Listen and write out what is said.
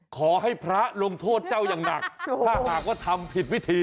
ขอให้พระลงโทษเจ้าอย่างหนักถ้าหากว่าทำผิดวิธี